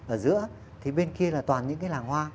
ở giữa thì bên kia là toàn những cái làng hoa